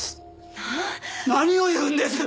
何を言うんです！？